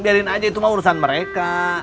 biarin aja itu mah urusan mereka